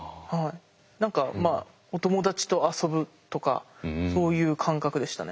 何かお友達と遊ぶとかそういう感覚でしたね。